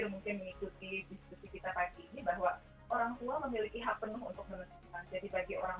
mendapatkan hak ketidikan